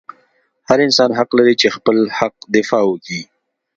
هر انسان حق لري چې خپل حق دفاع وکي